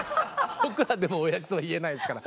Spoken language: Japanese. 僕らでも親父とは言えないですから。